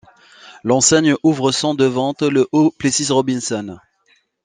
L'enseigne ouvre son de vente le au Plessis-Robinson.